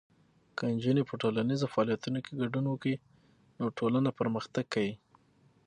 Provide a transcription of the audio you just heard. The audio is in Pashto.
که نجونې په ټولنیزو فعالیتونو کې ګډون وکړي، نو ټولنه پرمختګ کوي.